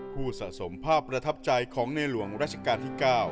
สะสมภาพประทับใจของในหลวงราชการที่๙